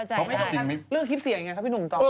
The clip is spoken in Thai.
เรื่องคลิปเสียงก็พี่หนุนต้อง